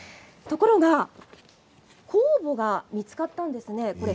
ところが酵母が見つかったんですね。